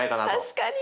確かに。